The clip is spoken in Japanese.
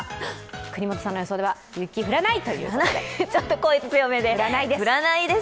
國本さんの予想では、雪は降らないということで、降らないです！